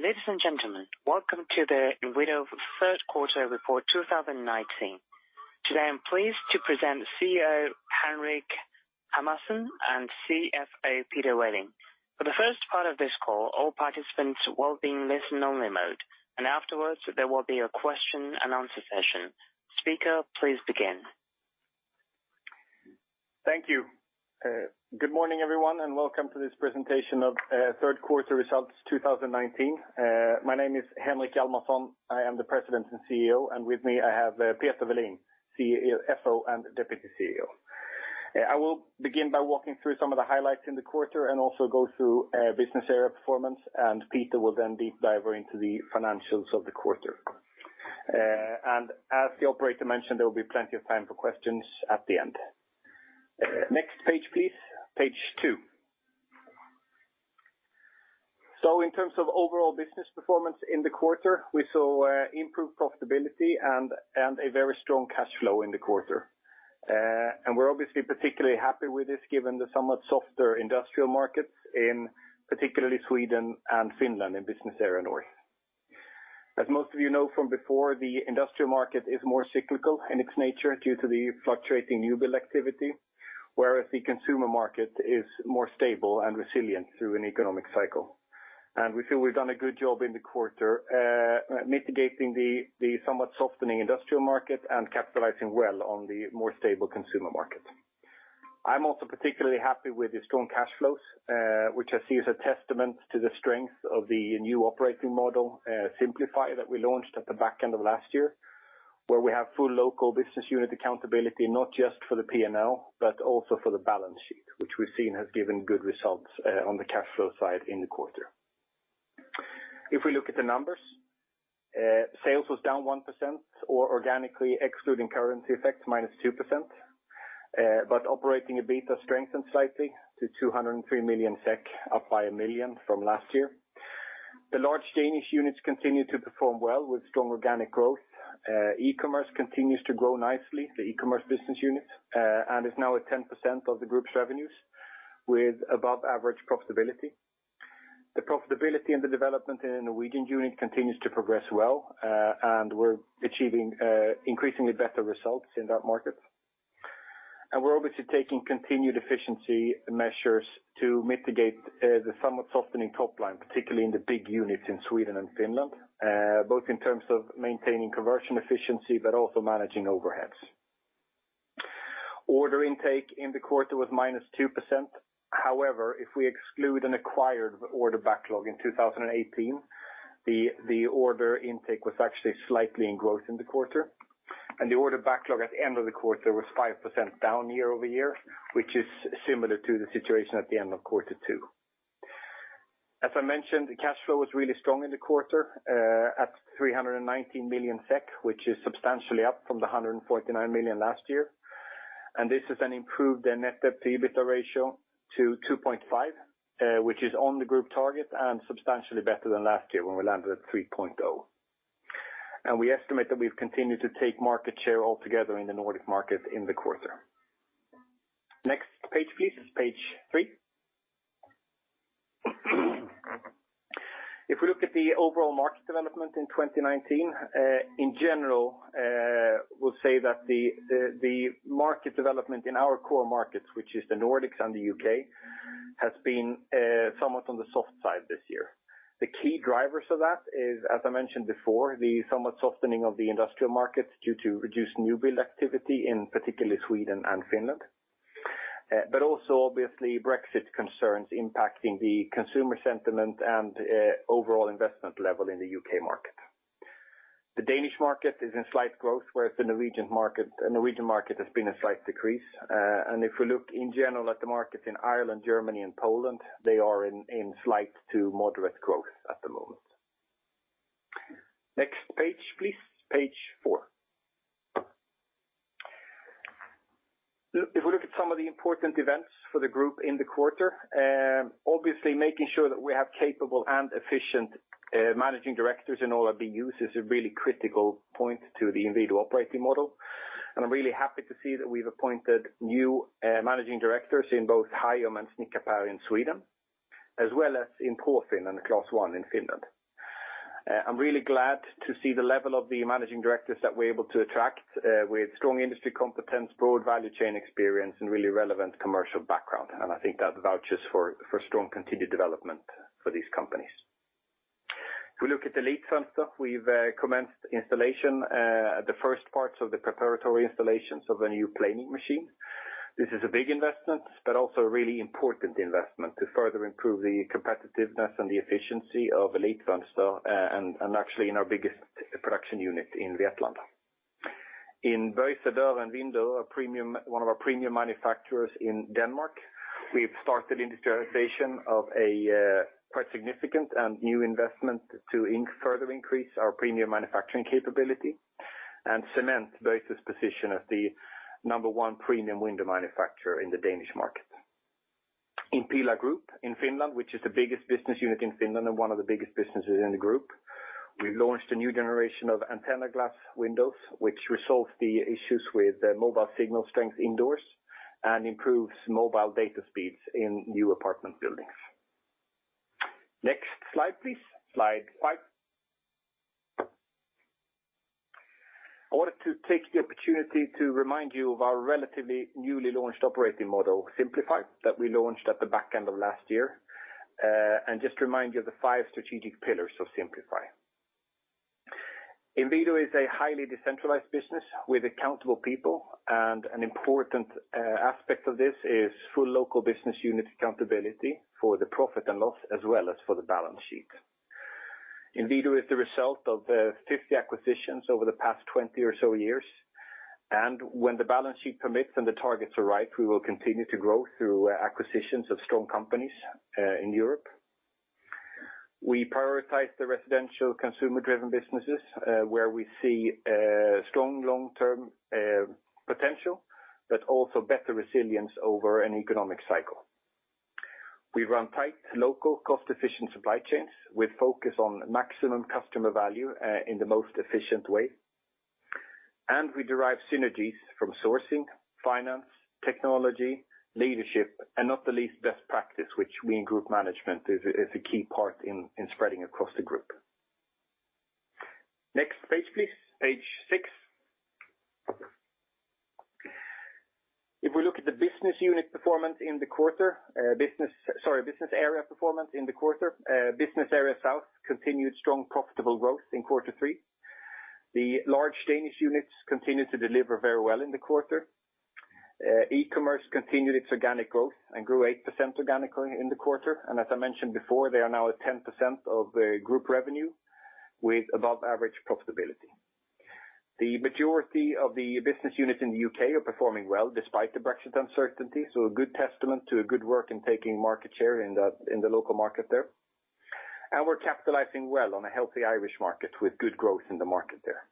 Ladies and gentlemen, welcome to the Inwido third quarter report 2019. Today, I'm pleased to present CEO Henrik Hjalmarsson and CFO Peter Welin. For the first part of this call, all participants will be in listen-only mode, and afterwards there will be a question and answer session. Speaker, please begin. Thank you. Good morning, everyone, and welcome to this presentation of third quarter results 2019. My name is Henrik Hjalmarsson. I am the President and CEO. With me I have Peter Welin, CFO and Deputy CEO. I will begin by walking through some of the highlights in the quarter and also go through business area performance. Peter will deep dive into the financials of the quarter. As the operator mentioned, there will be plenty of time for questions at the end. Next page, please. Page two. In terms of overall business performance in the quarter, we saw improved profitability and a very strong cash flow in the quarter. We're obviously particularly happy with this given the somewhat softer industrial markets in particularly Sweden and Finland in Business Area North. As most of you know from before, the industrial market is more cyclical in its nature due to the fluctuating new build activity, whereas the consumer market is more stable and resilient through an economic cycle. We feel we've done a good job in the quarter mitigating the somewhat softening industrial market and capitalizing well on the more stable consumer market. I'm also particularly happy with the strong cash flows, which I see as a testament to the strength of the new operating model, Simplify, that we launched at the back end of last year, where we have full local business unit accountability, not just for the P&L, but also for the balance sheet, which we've seen has given good results on the cash flow side in the quarter. If we look at the numbers, sales was down 1% or organically excluding currency effects, minus 2%. Operating EBITDA strengthened slightly to 203 million SEK, up by 1 million from last year. The large Danish units continue to perform well with strong organic growth. E-commerce continues to grow nicely, the e-commerce business unit, and is now at 10% of the group's revenues with above average profitability. The profitability and the development in the Norwegian unit continues to progress well, we're achieving increasingly better results in that market. We're obviously taking continued efficiency measures to mitigate the somewhat softening top line, particularly in the big units in Sweden and Finland, both in terms of maintaining conversion efficiency, but also managing overheads. Order intake in the quarter was -2%. However, if we exclude an acquired order backlog in 2018, the order intake was actually slightly in growth in the quarter, and the order backlog at the end of the quarter was 5% down year-over-year, which is similar to the situation at the end of quarter two. As I mentioned, the cash flow was really strong in the quarter at 319 million SEK, which is substantially up from the 149 million last year. This has then improved the net debt to EBITDA ratio to 2.5, which is on the group target and substantially better than last year when we landed at 3.0. We estimate that we've continued to take market share altogether in the Nordic market in the quarter. Next page, please. Page three. If we look at the overall market development in 2019, in general, we'll say that the market development in our core markets, which is the Nordics and the U.K., has been somewhat on the soft side this year. The key drivers for that is, as I mentioned before, the somewhat softening of the industrial markets due to reduced new build activity in particularly Sweden and Finland, also obviously Brexit concerns impacting the consumer sentiment and overall investment level in the U.K. market. The Danish market is in slight growth, whereas the Norwegian market has been a slight decrease. If we look in general at the markets in Ireland, Germany and Poland, they are in slight to moderate growth at the moment. Next page, please. Page four. If we look at some of the important events for the group in the quarter, obviously making sure that we have capable and efficient managing directors in all of the units is a really critical point to the Inwido operating model. I'm really happy to see that we've appointed new managing directors in both Hajom and SnickarPer in Sweden, as well as in Profin and Klas1 in Finland. I'm really glad to see the level of the managing directors that we're able to attract with strong industry competence, broad value chain experience and really relevant commercial background, and I think that vouches for strong continued development for these companies. If we look at Elitfönster, we've commenced installation at the first parts of the preparatory installations of a new planing machine. This is a big investment, but also a really important investment to further improve the competitiveness and the efficiency of Elitfönster and actually in our biggest production unit in Vetlanda. In Bøjsø and Vindo, one of our premium manufacturers in Denmark, we've started industrialization of a quite significant and new investment to further increase our premium manufacturing capability and cement Bøjsø's position as the number one premium window manufacturer in the Danish market. In Pihla Group in Finland, which is the biggest business unit in Finland and one of the biggest businesses in the group. We've launched a new generation of antenna glass windows, which resolves the issues with mobile signal strength indoors and improves mobile data speeds in new apartment buildings. Next slide, please. Slide five. I wanted to take the opportunity to remind you of our relatively newly launched operating model, Simplify, that we launched at the back end of last year, and just remind you of the five strategic pillars of Simplify. Inwido is a highly decentralized business with accountable people, and an important aspect of this is full local business unit accountability for the profit and loss, as well as for the balance sheet. Inwido is the result of the 50 acquisitions over the past 20 or so years, and when the balance sheet permits and the targets arrive, we will continue to grow through acquisitions of strong companies in Europe. We prioritize the residential consumer-driven businesses, where we see strong long-term potential, but also better resilience over an economic cycle. We run tight local cost-efficient supply chains with focus on maximum customer value in the most efficient way. We derive synergies from sourcing, finance, technology, leadership, and not the least best practice, which we in group management is a key part in spreading across the group. Next page, please. Page six. If we look at the Business Area performance in the quarter, Business Area South continued strong profitable growth in quarter three. The large Danish units continued to deliver very well in the quarter. E-commerce continued its organic growth and grew 8% organically in the quarter. As I mentioned before, they are now at 10% of the group revenue with above-average profitability. The majority of the business units in the U.K. are performing well despite the Brexit uncertainty, so a good testament to a good work in taking market share in the local market there. We're capitalizing well on a healthy Irish market with good growth in the market there.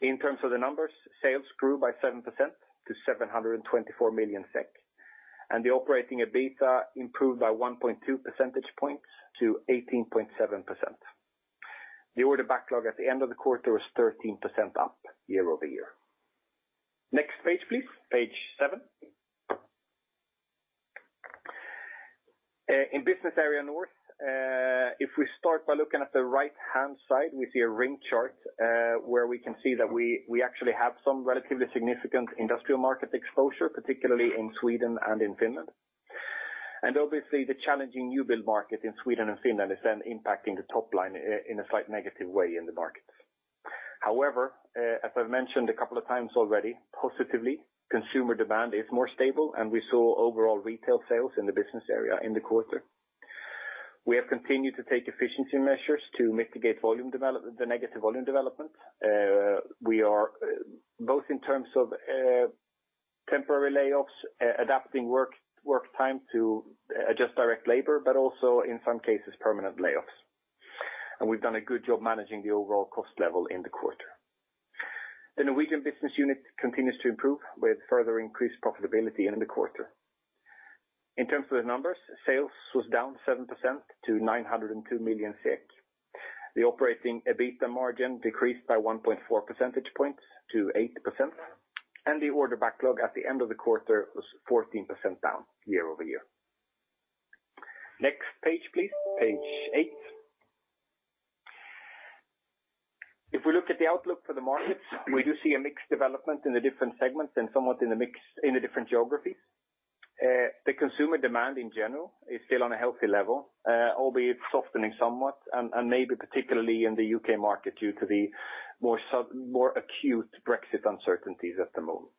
In terms of the numbers, sales grew by 7% to 724 million SEK, and the operating EBITDA improved by 1.2 percentage points to 18.7%. The order backlog at the end of the quarter was 13% up year-over-year. Next page, please. Page seven. In Business Area North, if we start by looking at the right-hand side, we see a ring chart, where we can see that we actually have some relatively significant industrial market exposure, particularly in Sweden and in Finland. Obviously, the challenging new build market in Sweden and in Finland is then impacting the top line in a slight negative way in the markets. However, as I've mentioned a couple of times already, positively, consumer demand is more stable, and we saw overall retail sales in the business area in the quarter. We have continued to take efficiency measures to mitigate the negative volume development. We are both in terms of temporary layoffs, adapting work time to adjust direct labor, but also in some cases, permanent layoffs. We've done a good job managing the overall cost level in the quarter. The Norwegian business unit continues to improve with further increased profitability in the quarter. In terms of the numbers, sales was down 7% to 902 million SEK. The operating EBITDA margin decreased by 1.4 percentage points to 8%, and the order backlog at the end of the quarter was 14% down year-over-year. Next page, please. Page eight. If we look at the outlook for the markets, we do see a mixed development in the different segments and somewhat in the different geographies. The consumer demand in general is still on a healthy level, albeit softening somewhat and maybe particularly in the U.K. market due to the more acute Brexit uncertainties at the moment.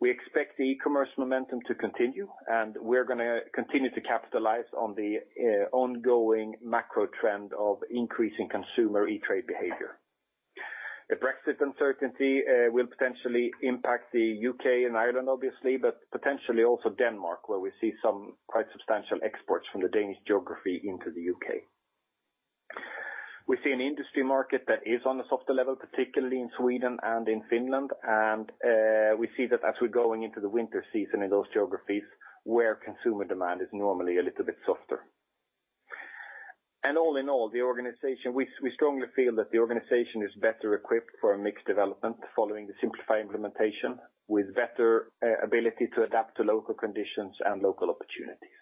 We expect the e-commerce momentum to continue, and we're going to continue to capitalize on the ongoing macro trend of increasing consumer e-trade behavior. The Brexit uncertainty will potentially impact the U.K. and Ireland, obviously, but potentially also Denmark, where we see some quite substantial exports from the Danish geography into the U.K. We see an industry market that is on a softer level, particularly in Sweden and in Finland, and we see that as we're going into the winter season in those geographies, where consumer demand is normally a little bit softer. All in all, we strongly feel that the organization is better equipped for a mixed development following the Simplify implementation, with better ability to adapt to local conditions and local opportunities.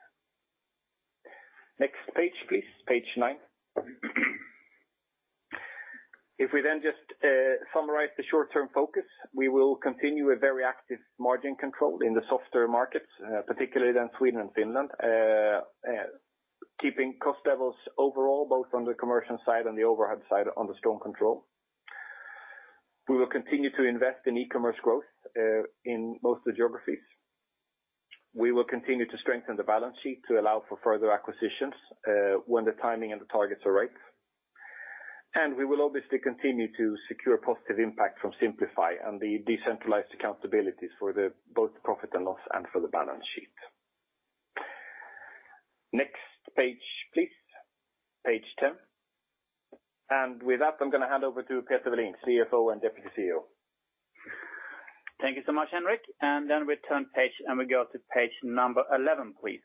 Next page, please. Page nine. If we just summarize the short-term focus, we will continue a very active margin control in the softer markets, particularly in Sweden and Finland, keeping cost levels overall, both on the commercial side and the overhead side under strong control. We will continue to invest in e-commerce growth in most of the geographies. We will continue to strengthen the balance sheet to allow for further acquisitions when the timing and the targets are right. We will obviously continue to secure positive impact from Simplify and the decentralized accountabilities for both the profit and loss and for the balance sheet. Next page, please. Page 10. With that, I'm going to hand over to Peter Welin, CFO and Deputy CEO. Thank you so much, Henrik. We turn page and we go to page 11, please.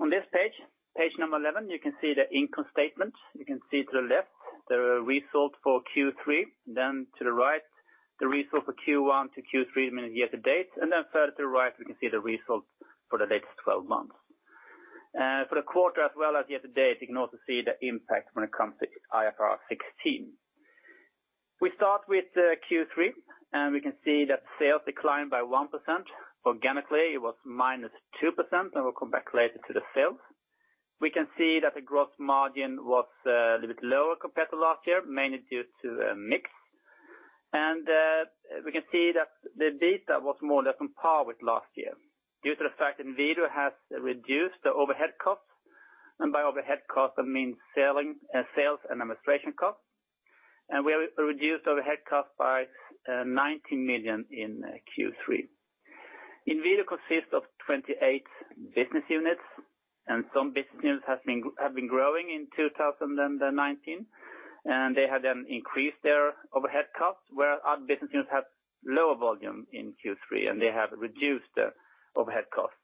On this page 11, you can see the income statement. You can see to the left, the result for Q3, to the right, the result for Q1 to Q3, meaning year to date. Further to the right, we can see the result for the latest 12 months. For the quarter as well as year to date, you can also see the impact when it comes to IFRS 16. We start with Q3, we can see that sales declined by 1%. Organically, it was minus 2%, we'll come back later to the sales. We can see that the gross margin was a little bit lower compared to last year, mainly due to mix. We can see that the EBITDA was more or less on par with last year due to the fact that Inwido has reduced the overhead costs. By overhead costs, I mean selling and sales and administration costs. We have reduced overhead costs by 90 million in Q3. Inwido consists of 28 business units, and some business units have been growing in 2019. They had then increased their overhead costs, where our business units have lower volume in Q3, and they have reduced the overhead costs.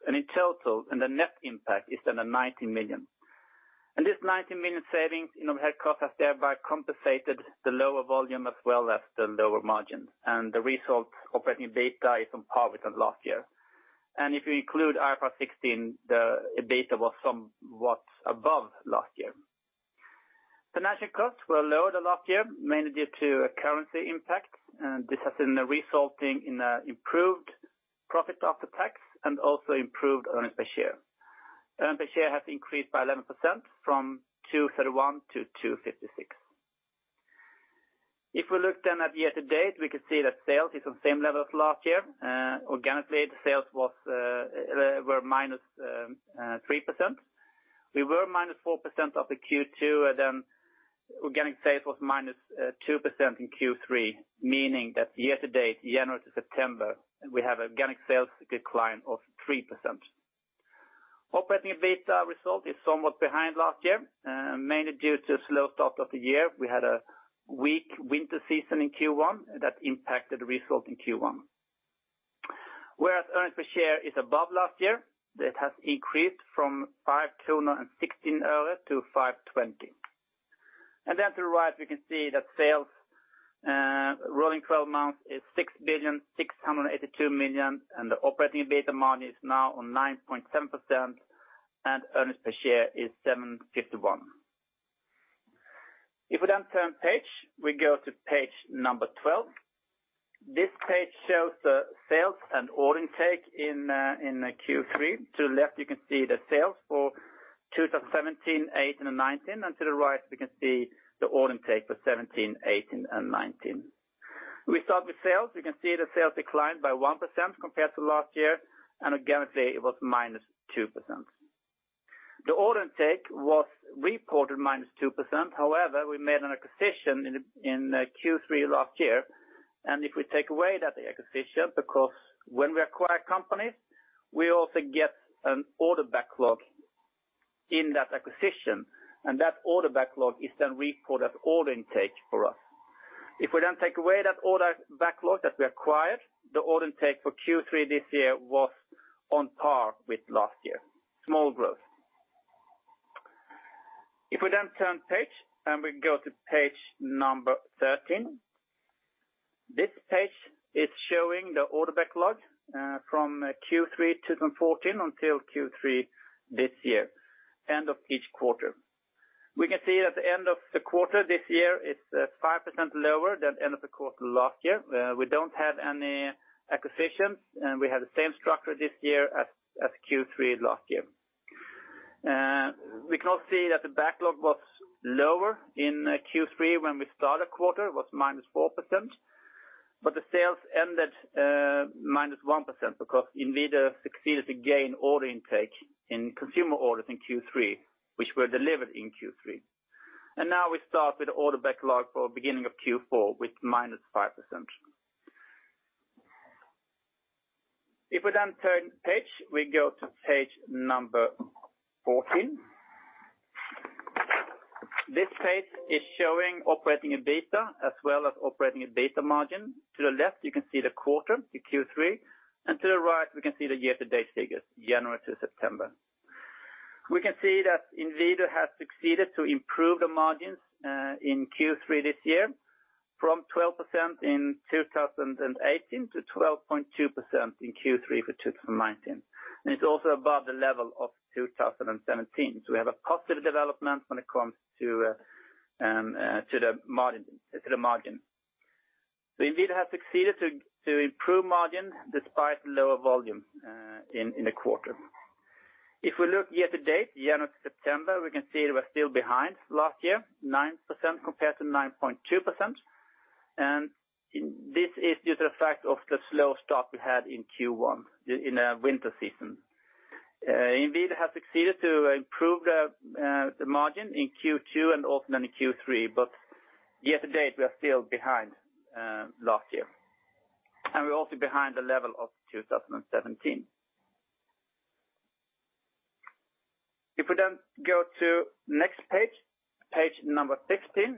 In total, the net impact is then 90 million. This 90 million savings in overhead costs has thereby compensated the lower volume as well as the lower margin. The result operating EBITDA is on par with last year. If you include IFRS 16, the EBITDA was somewhat above last year. Financial costs were lower than last year, mainly due to a currency impact. This has been resulting in improved profit after tax and also improved earnings per share. Earnings per share have increased by 11% from 231 to 256. If we look then at year to date, we can see that sales is on same level as last year. Organically, the sales were minus 3%. We were minus 4% in Q2, and then organic sales was minus 2% in Q3, meaning that year to date, January to September, we have organic sales decline of 3%. Operating EBITDA result is somewhat behind last year, mainly due to slow start of the year. We had a weak winter season in Q1 that impacted the result in Q1. Whereas earnings per share is above last year. It has increased from 516 earlier to 520. To the right, we can see that sales rolling 12 months is 6 billion 682 million, and the operating EBITDA margin is now on 9.7%, and earnings per share is 751. If we turn page, we go to page number 12. This page shows the sales and order intake in Q3. To the left, you can see the sales for 2017, 2018, and 2019, and to the right, we can see the order intake for 2017, 2018, and 2019. We start with sales. We can see the sales declined by 1% compared to last year, and organically it was minus 2%. The order intake was reported minus 2%. We made an acquisition in Q3 last year, and if we take away that acquisition, because when we acquire companies, we also get an order backlog in that acquisition, and that order backlog is then reported as order intake for us. If we take away that order backlog that we acquired, the order intake for Q3 this year was on par with last year. Small growth. If we turn page and we go to page 13. This page is showing the order backlog from Q3 2014 until Q3 this year, end of each quarter. We can see at the end of the quarter this year, it's 5% lower than end of the quarter last year. We don't have any acquisitions, and we have the same structure this year as Q3 last year. We can also see that the backlog was lower in Q3 when we start a quarter, it was minus 4%, but the sales ended minus 1% because Inwido succeeded to gain order intake in consumer orders in Q3, which were delivered in Q3. Now we start with the order backlog for beginning of Q4 with minus 5%. If we then turn page, we go to page number 14. This page is showing operating EBITDA as well as operating EBITDA margin. To the left, you can see the quarter to Q3, and to the right, we can see the year-to-date figures, January to September. We can see that Inwido has succeeded to improve the margins in Q3 this year from 12% in 2018 to 12.2% in Q3 for 2019. It's also above the level of 2017. We have a positive development when it comes to the margin. Inwido has succeeded to improve margin despite lower volume in the quarter. If we look year to date, January to September, we can see we're still behind last year, 9% compared to 9.2%. This is due to the fact of the slow start we had in Q1 in the winter season. Inwido has succeeded to improve the margin in Q2 and also then in Q3, but year to date, we are still behind last year. We're also behind the level of 2017. If we then go to next page number 15.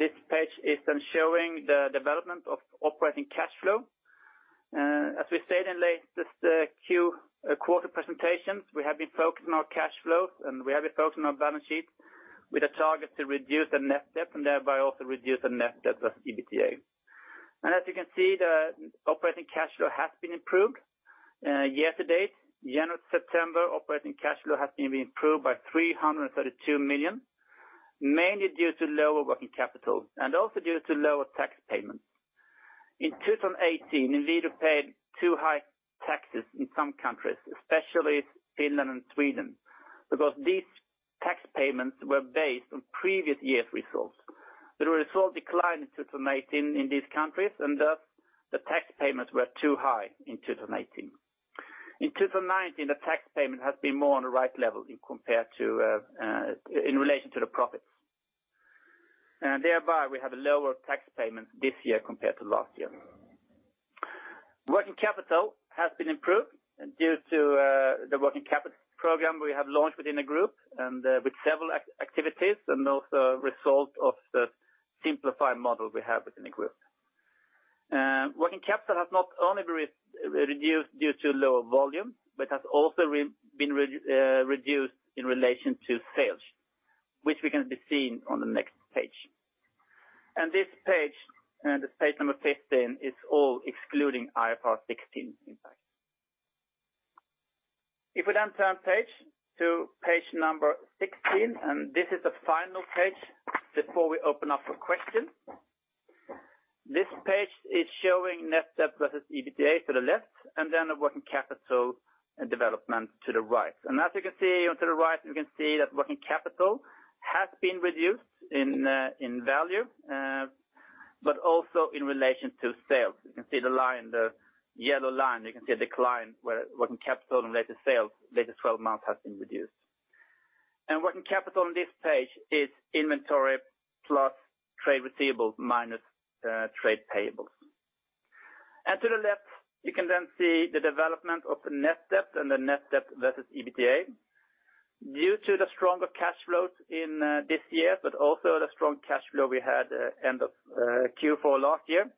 This page is then showing the development of operating cash flow. As we said in this quarter presentations, we have been focusing on cash flows, and we have been focusing on balance sheets with a target to reduce the net debt and thereby also reduce the net debt plus EBITDA. As you can see, the operating cash flow has been improved. Year to date, January to September, operating cash flow has been improved by 332 million, mainly due to lower working capital and also due to lower tax payments. In 2018, Inwido paid too high taxes in some countries, especially Finland and Sweden, because these tax payments were based on previous year's results. The result declined in 2018 in these countries, thus the tax payments were too high in 2018. In 2019, the tax payment has been more on the right level in relation to the profits. Thereby we have a lower tax payment this year compared to last year. Working capital has been improved due to the working capital program we have launched within the group and with several activities and also a result of the Simplify model we have within the group. Working capital has not only been reduced due to lower volume, but has also been reduced in relation to sales, which we're going to be seeing on the next page. This page 15, is all excluding IFRS 16 impact. We turn page to page 16. This is the final page before we open up for questions. This page is showing net debt versus EBITDA to the left. The working capital development to the right. As you can see to the right, you can see that working capital has been reduced in value, but also in relation to sales. You can see the yellow line, a decline where working capital and related sales, latest 12 months has been reduced. Working capital on this page is inventory plus trade receivables minus trade payables. To the left, you can then see the development of the net debt and the net debt versus EBITDA. Due to the stronger cash flows in this year, but also the strong cash flow we had end of Q4 last year,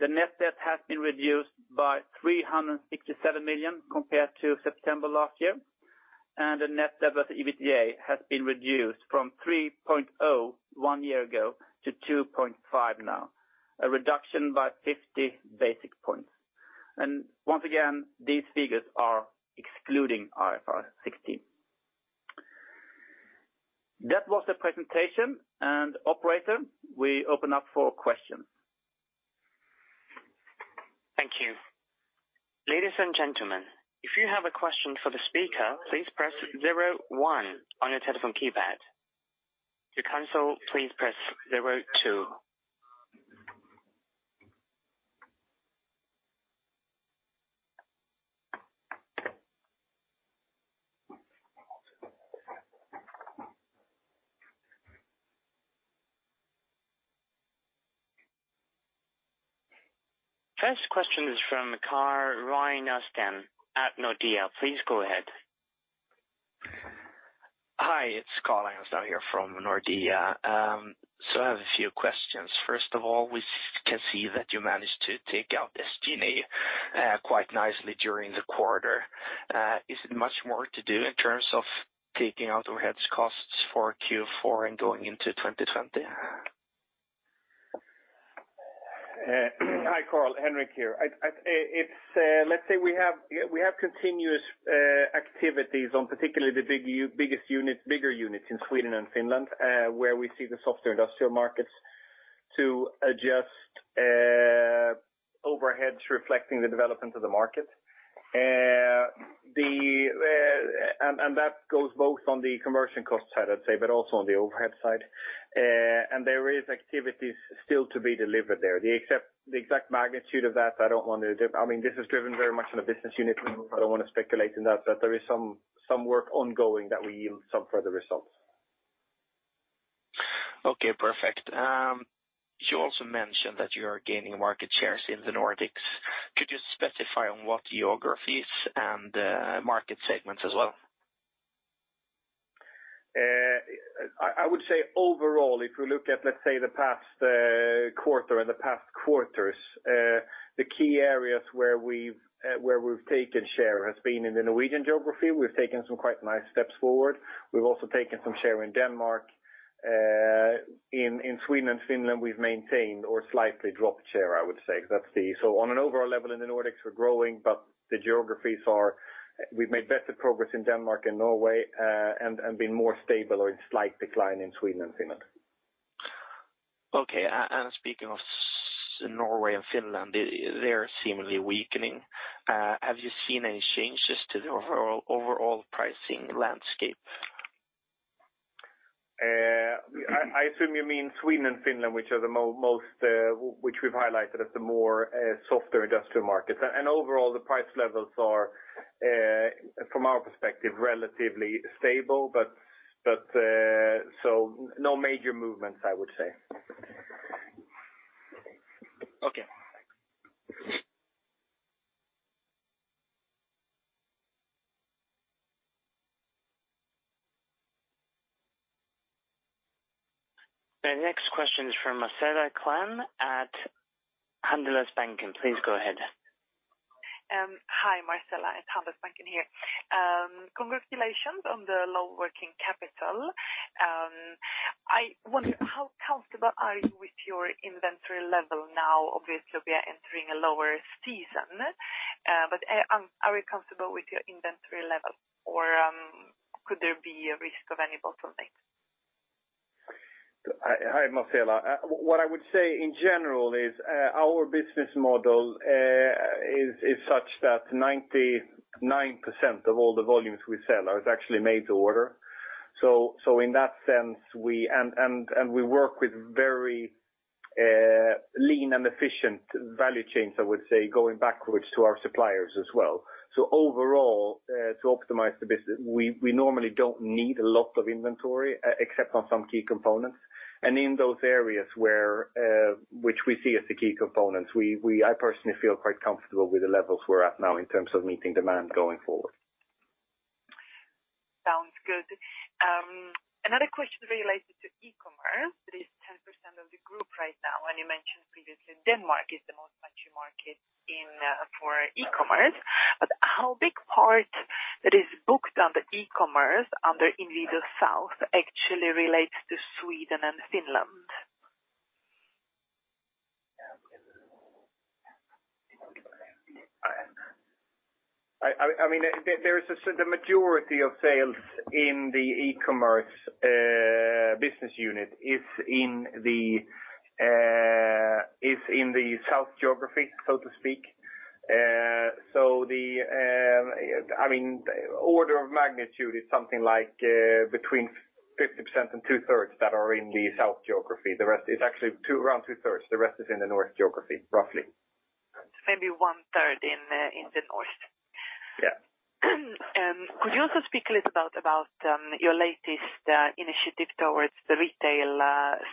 the net debt has been reduced by 367 million compared to September last year, and the net debt versus EBITDA has been reduced from 3.0 one year ago to 2.5 now, a reduction by 50 basis points. Once again, these figures are excluding IFRS 16. That was the presentation. Operator, we open up for questions. Thank you. Ladies and gentlemen, if you have a question for the speaker, please press 01 on your telephone keypad. To cancel, please press 02. First question is from Carl Ragnerstam at Nordea. Please go ahead. Hi, it's Carl Ragnerstam here from Nordea. I have a few questions. First of all, we can see that you managed to take out SG&A quite nicely during the quarter. Is it much more to do in terms of taking out overheads costs for Q4 and going into 2020? Hi, Carl. Henrik here. Let's say we have continuous activities on particularly the bigger units in Sweden and Finland, where we see the softer industrial markets to adjust overheads reflecting the development of the market. That goes both on the conversion cost side, I'd say, but also on the overhead side. There is activities still to be delivered there. The exact magnitude of that, I mean, this is driven very much on a business unit. I don't want to speculate in that, but there is some work ongoing that we yield some further results. Okay, perfect. You also mentioned that you are gaining market shares in the Nordics. Could you specify on what geographies and market segments as well? I would say overall, if we look at, let's say the past quarter and the past quarters, the key areas where we've taken share has been in the Norwegian geography. We've taken some quite nice steps forward. We've also taken some share in Denmark. In Sweden and Finland, we've maintained or slightly dropped share, I would say. On an overall level in the Nordics, we're growing, but the geographies are we've made better progress in Denmark and Norway, and been more stable or in slight decline in Sweden and Finland. Okay. Speaking of Norway and Finland, they're seemingly weakening. Have you seen any changes to the overall pricing landscape? I assume you mean Sweden and Finland, which we've highlighted as the more softer industrial markets. Overall, the price levels are, from our perspective, relatively stable, so no major movements, I would say. Okay. The next question is from Marcela Klang at Handelsbanken. Please go ahead. Hi, Marcela at Handelsbanken here. Congratulations on the low working capital. I wonder, how comfortable are you with your inventory level now? Obviously, we are entering a lower season, but are you comfortable with your inventory level, or could there be a risk of any bottlenecks? Hi, Marcela. What I would say in general is our business model is such that 99% of all the volumes we sell are actually made to order, and we work with very lean and efficient value chains, I would say, going backwards to our suppliers as well. Overall, to optimize the business, we normally don't need a lot of inventory except on some key components. In those areas which we see as the key components, I personally feel quite comfortable with the levels we're at now in terms of meeting demand going forward. Sounds good. Another question related to e-commerce. It is 10% of the group right now, and you mentioned previously Denmark is the most mature market for e-commerce. How big part that is booked under e-commerce under Inwido South actually relates to Sweden and Finland? The majority of sales in the e-commerce business unit is in the South geography, so to speak. The order of magnitude is something like between 50% and 2/3 that are in the South geography. It's actually around 2/3. The rest is in the North geography, roughly. Maybe one-third in the North. Yeah. Could you also speak a little about your latest initiative towards the retail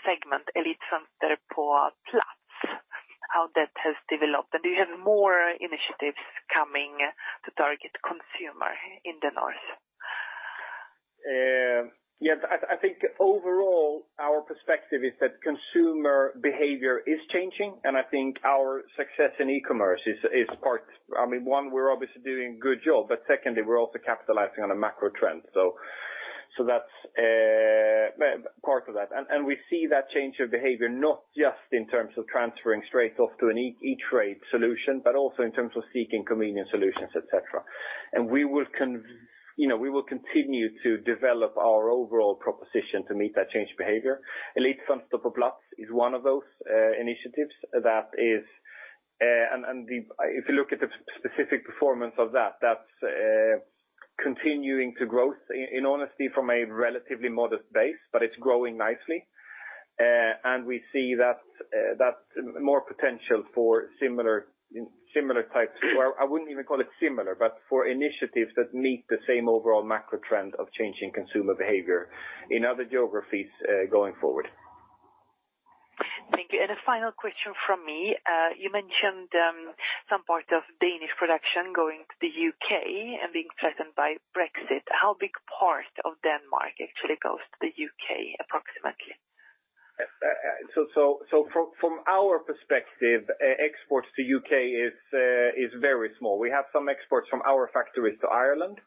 segment, Elitfönster på Plats, how that has developed, and do you have more initiatives coming to target consumer in the North? Yes. I think overall, our perspective is that consumer behavior is changing. I think our success in e-commerce is one, we're obviously doing a good job, but secondly, we're also capitalizing on a macro trend. That's part of that. We see that change of behavior, not just in terms of transferring straight off to an e-trade solution, but also in terms of seeking convenient solutions, et cetera. We will continue to develop our overall proposition to meet that change of behavior. Elitfönster på Plats is one of those initiatives. If you look at the specific performance of that's continuing to grow, in honesty, from a relatively modest base, but it's growing nicely. We see that more potential for similar types, or I wouldn't even call it similar, but for initiatives that meet the same overall macro trend of changing consumer behavior in other geographies going forward. Thank you. A final question from me. You mentioned some part of Danish production going to the U.K. and being threatened by Brexit. How big part of Denmark actually goes to the U.K. approximately? From our perspective, exports to U.K. is very small. We have some exports from our factories to Ireland,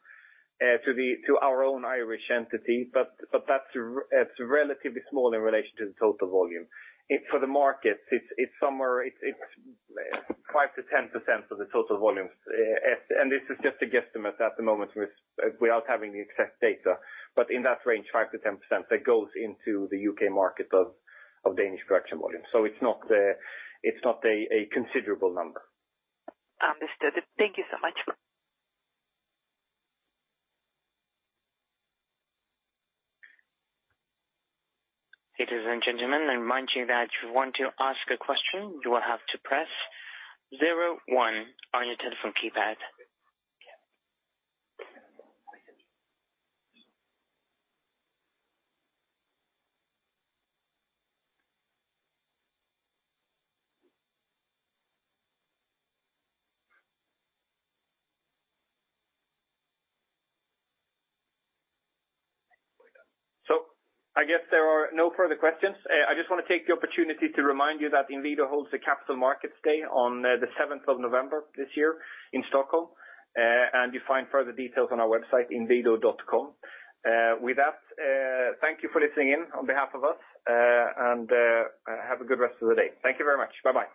to our own Irish entity, but that's relatively small in relation to the total volume. For the markets, it's 5%-10% of the total volumes. This is just a guesstimate at the moment without having the exact data, but in that range, 5%-10%, that goes into the U.K. market of Danish production volume. It's not a considerable number. Understood. Thank you so much. Ladies and gentlemen, I remind you that if you want to ask a question, you will have to press 01 on your telephone keypad. I guess there are no further questions. I just want to take the opportunity to remind you that Inwido holds the Capital Markets Day on the 7th of November this year in Stockholm. You find further details on our website, inwido.com. Thank you for listening in on behalf of us, and have a good rest of the day. Thank you very much. Bye-bye.